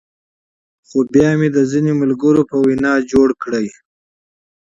خو بيا مې د ځينې ملګرو پۀ وېنا بحال کړۀ -